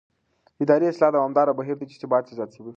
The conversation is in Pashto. اداري اصلاح دوامداره بهیر دی چې ثبات زیاتوي